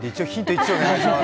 １お願いします。